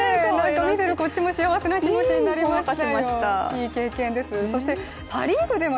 見てるこっちも幸せな気持ちになりましたよ。